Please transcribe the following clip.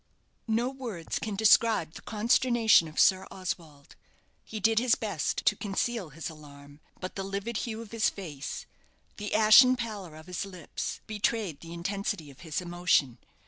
No words can describe the consternation of Sir Oswald. He did his best to conceal his alarm; but the livid hue of his face, the ashen pallor of his lips, betrayed the intensity of his emotion.